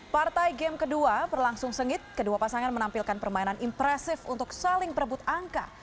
partai game kedua berlangsung sengit kedua pasangan menampilkan permainan impresif untuk saling perebut angka